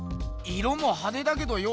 色もはでだけどよ